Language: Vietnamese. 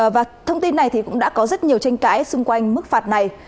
và thông tin này cũng đã có rất nhiều tranh cãi xung quanh mức phạt này